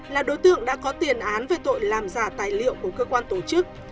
là đối tượng đã có tiền án về tội làm giả tài liệu của cơ quan tổ chức